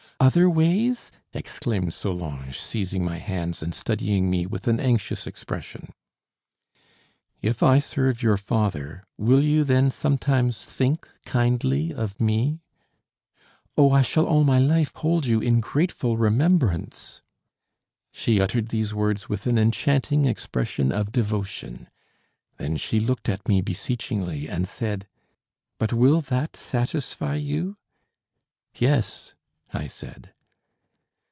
"Other ways?" exclaimed Solange, seizing my hands and studying me with an anxious expression. "If I serve your father, will you then sometimes think kindly of me?" "Oh, I shall all my life hold you in grateful remembrance!" She uttered these words with an enchanting expression of devotion. Then she looked at me beseechingly and said: "But will that satisfy you?" "Yes," I said.